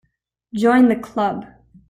Join the Club.